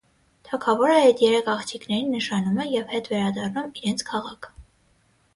Թագավորը այդ երեք աղջիկներին նշանում է և հետ վերադառնում իրենց քաղաք։